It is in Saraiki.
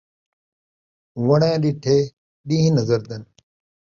وݨیں ݙٹھے ݙیہہ نظردن